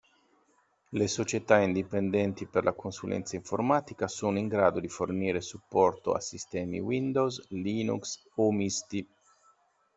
Le società indipendenti per la consulenza informatica sono in grado di fornire supporto a sistemi Windows, Linux o misti.